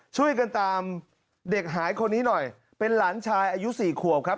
ช่วยกันตามเด็กหายคนนี้หน่อยเป็นหลานชายอายุสี่ขวบครับ